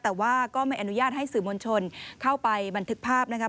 แต่ว่าก็ไม่อนุญาตให้สื่อมวลชนเข้าไปบันทึกภาพนะครับ